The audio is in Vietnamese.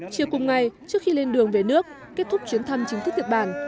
chiều cùng ngày trước khi lên đường về nước kết thúc chuyến thăm chính thức nhật bản